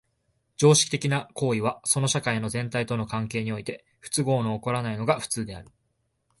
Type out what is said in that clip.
常識的な行為はその社会の全体との関係において不都合の起こらないのが普通である。